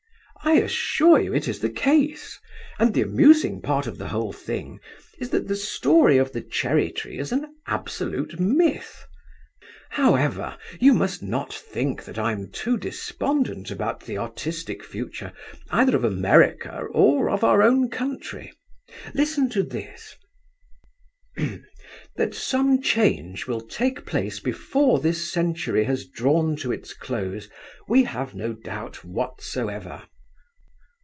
I assure you it is the case, and the amusing part of the whole thing is that the story of the cherry tree is an absolute myth. However, you must not think that I am too despondent about the artistic future either of America or of our own country. Listen to this:— 'That some change will take place before this century has drawn to its close we have no doubt whatsoever.